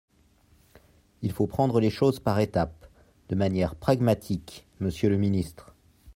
Il faut prendre les choses par étapes, de manière pragmatique, monsieur le ministre.